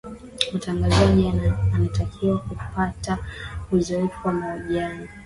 mtangazaji anatakiwa kupata uzoefu wa mahojiano